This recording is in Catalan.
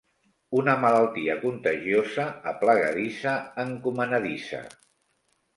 Una malaltia contagiosa, aplegadissa, encomanadissa.